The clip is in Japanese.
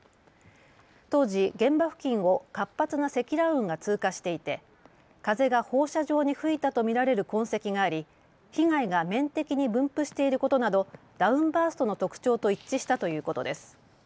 当時、現場付近を活発な積乱雲が通過していて風が放射状に吹いたと見られる痕跡があり被害が面的に分布していることなどダウンバーストの特徴と一致したということです。